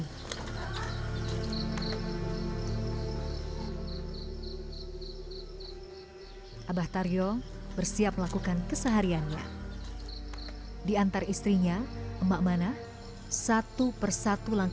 hai abah taryo bersiap melakukan kesehariannya diantar istrinya emak mana satu persatu langkah